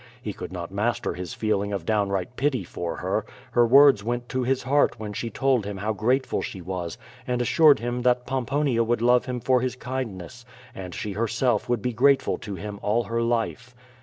He could not master his feeling of downright pity for her; her words went to his heart when she told him how grateful she was, and assured him that Pomponia would love him for his kindness, and she herself would be grateful to him all her life.